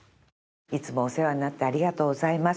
いつもお世話になってありがとうございます。